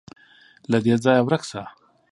_له دې ځايه ورک شه.